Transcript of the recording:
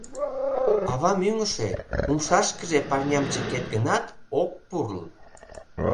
Авам ӱҥышӧ, умшашкыже парням чыкет гынат, ок пурл.